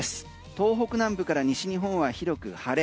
東北南部から西日本は広く晴れ。